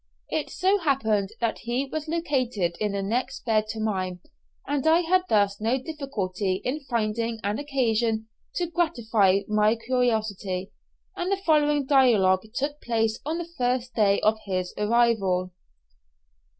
It so happened that he was located in the next bed to mine, and I had thus no difficulty in finding an occasion to gratify my curiosity, and the following dialogue took place on the first day of his arrival.